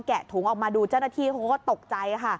แกะถุงออกมาดูเจ้าหน้าที่เขาก็ตกใจค่ะ